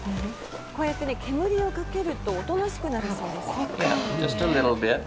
こうやって煙をかけるとおとなしくなるそうです。